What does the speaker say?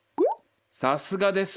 さすがです。